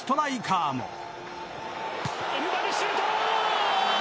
エムバペ、シュート！